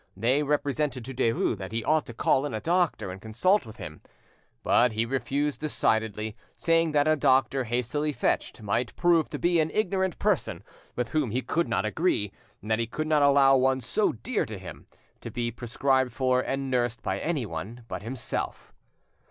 They represented to Derues that he ought to call in a doctor and consult with him, but he refused decidedly, saying that a doctor hastily fetched might prove to be an ignorant person with whom he could not agree, and that he could not allow one so dear to him to be prescribed for and nursed by anyone but himself.